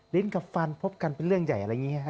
กับฟันพบกันเป็นเรื่องใหญ่อะไรอย่างนี้